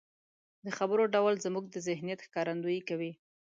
د خبرو ډول زموږ د ذهنيت ښکارندويي کوي.